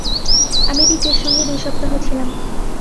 আমি রিকের সঙ্গে দুই সপ্তাহ ছিলাম।